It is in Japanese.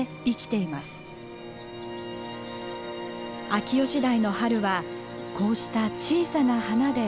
秋吉台の春はこうした小さな花で始まります。